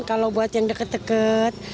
kalau buat yang deket deket